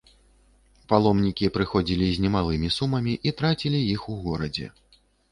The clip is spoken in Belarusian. Паломнікі прыходзілі з немалымі сумамі і трацілі іх у горадзе.